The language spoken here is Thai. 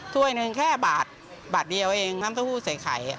ถ้วยหนึ่งแค่บาทบาทเดียวเองน้ำเต้าหู้ใส่ไข่